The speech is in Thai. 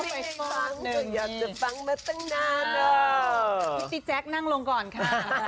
พี่ติ๊กแจ๊คนั่งลงก่อนค่ะ